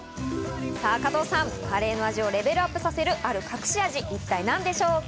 加藤さん、カレーの味をレベルアップさせる、ある隠し味は一体何でしょうか？